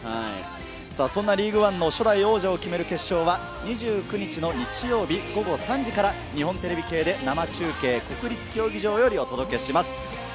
リーグワンの初代王者を決める決勝は２９日の日曜日、午後３時から、日本テレビ系で生中継、国立競技場よりお届けします。